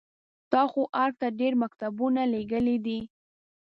تا خو ارګ ته ډېر مکتوبونه لېږلي دي.